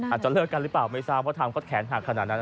อาจจะเลิกกันหรือเปล่าไม่ทราบว่าทำ